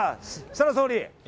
設楽総理。